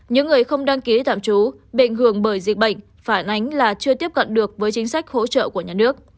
những người không đăng ký tạm trú bị ảnh hưởng bởi dịch bệnh phản ánh là chưa tiếp cận được với chính sách hỗ trợ của nhà nước